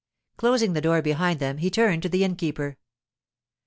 Closing the door behind them, he turned to the innkeeper.